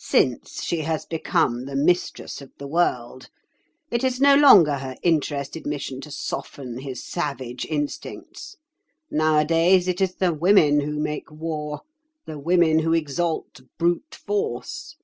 Since she has become the mistress of the world. It is no longer her interested mission to soften his savage instincts. Nowadays, it is the women who make war, the women who exalt brute force.